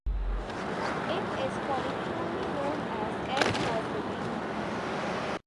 It is colloquially known as 'f-forwarding'.